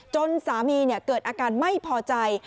จนสามีเกิดอาการไม่พอใจ